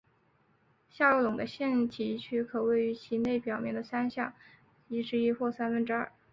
下位笼的腺体区可位于其内表面的下三分之一至三分之二。